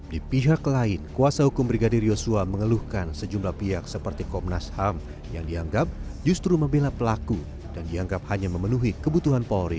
di pihak lain kuasa hukum brigadir yosua mengeluhkan sejumlah pihak seperti komnas ham yang dianggap justru membela pelaku dan dianggap hanya memenuhi kebutuhan polri